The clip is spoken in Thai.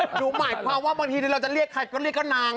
หนูหมายความว่าบางทีเราจะเรียกใครก็เรียกก็นาง